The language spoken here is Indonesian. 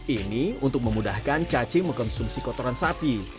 ini untuk memudahkan cacing mengkonsumsi kotoran sapi